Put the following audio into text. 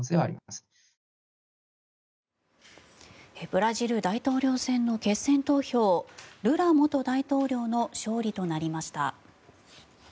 ブラジル大統領選の決選投票ルラ元大統領の勝利となりました。